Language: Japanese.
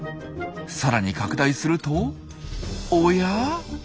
さらに拡大するとおや？